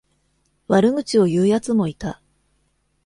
悪口を言うやつもいた。